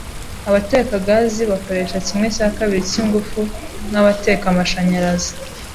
Abateka gaz bakoresha kimwe cya kabiri cyingufu nkabateka amashanyarazi.